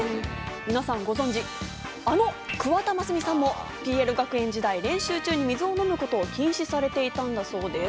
皆さんご存知、あの桑田真澄さんも、ＰＬ学園時代、練習中に水を飲むことを禁止されていたんだそうです。